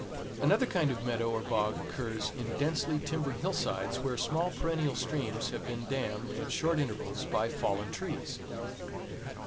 Another kind of meadow or bog occurs on densely timbered hillsides where small perennial streams have been dammed at short intervals by fallen trees.